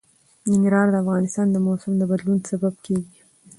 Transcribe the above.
ننګرهار د افغانستان د موسم د بدلون سبب کېږي.